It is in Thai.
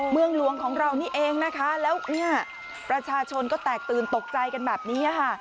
เมืองหลวงของเรานี่เองนะคะแล้วเนี่ยประชาชนก็แตกตื่นตกใจกันแบบนี้ค่ะ